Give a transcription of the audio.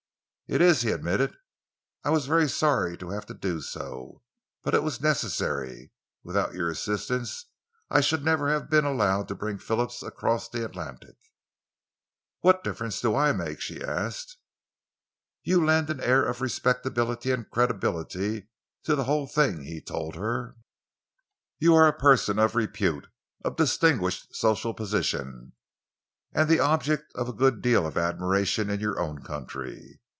"It is," he admitted. "I was very sorry to have to do so but it was necessary. Without your assistance, I should never have been allowed to bring Phillips across the Atlantic." "What difference do I make?" she asked. "You lend an air of respectability and credibility to the whole thing," he told her. "You are a person of repute, of distinguished social position, and the object of a good deal of admiration in your own country.